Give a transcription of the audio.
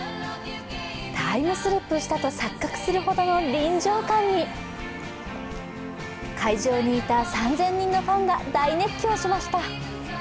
タイムスリップしたと錯覚するほどの臨場感に会場にいた３０００人のファンが大熱狂しました。